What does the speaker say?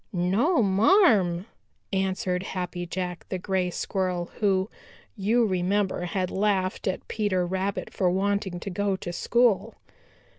"No, marm," answered Happy Jack the Gray Squirrel, who, you remember, had laughed at Peter Rabbit for wanting to go to school.